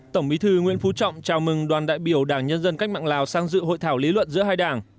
tổng bí thư nguyễn phú trọng chào mừng đoàn đại biểu đảng nhân dân cách mạng lào sang dự hội thảo lý luận giữa hai đảng